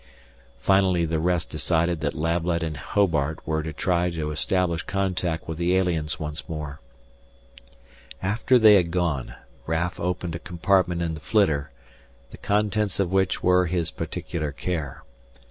Finally the rest decided that Lablet and Hobart were to try to establish contact with the aliens once more. After they had gone, Raf opened a compartment in the flitter, the contents of which were his particular care.